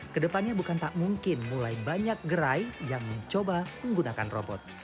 kedepannya bukan tak mungkin mulai banyak gerai yang mencoba menggunakan robot